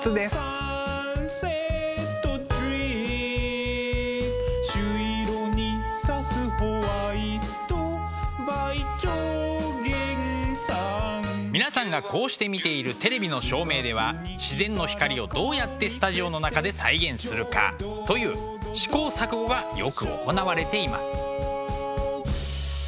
「サンセットドリーム」皆さんがこうして見ているテレビの照明では自然の光をどうやってスタジオの中で再現するかという試行錯誤がよく行われています。